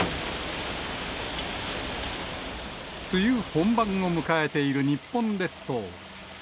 梅雨本番を迎えている日本列島。